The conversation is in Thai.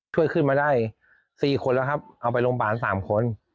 ช่วยขึ้นมาได้๔คนแล้วครับเอาไปโรงพยาบาล๓คน